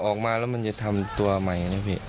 ออกมาแล้วมันก็จะทำตัวใหม่